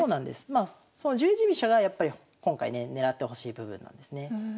まあその十字飛車がやっぱり今回ね狙ってほしい部分なんですね。